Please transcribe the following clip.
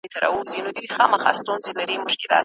تاسو بايد د سياست په اړه له پوهانو سره مسوره وکړئ.